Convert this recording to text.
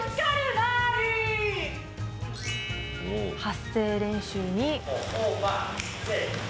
発声練習に。